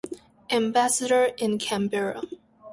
Ambassador in Canberra.